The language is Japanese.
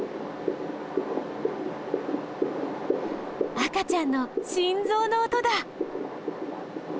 赤ちゃんの心ぞうの音だ！